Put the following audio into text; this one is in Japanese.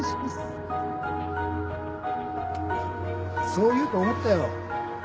そう言うと思ったよ。